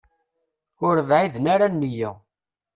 Ur bɛiden ara a nniya.